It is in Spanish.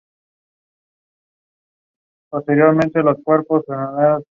Si no lo hacen es porque Vandor les sirve.